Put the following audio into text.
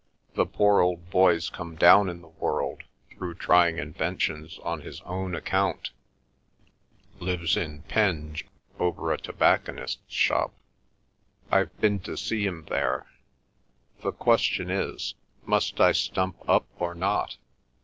The poor old boy's come down in the world through trying inventions on his own account, lives in Penge over a tobacconist's shop. I've been to see him there. The question is—must I stump up or not?